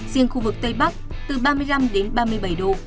riêng khu vực tây bắc từ ba mươi năm đến ba mươi bảy độ